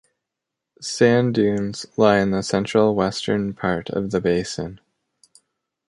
Sand dunes lie in the central western part of the basin.